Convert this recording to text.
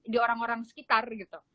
di orang orang sekitar gitu